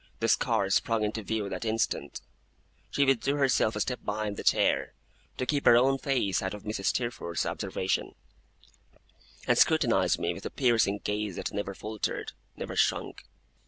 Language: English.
The scar sprung into view that instant. She withdrew herself a step behind the chair, to keep her own face out of Mrs. Steerforth's observation; and scrutinized me with a piercing gaze that never faltered, never shrunk.